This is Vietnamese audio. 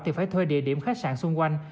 thì phải thuê địa điểm khách sạn xung quanh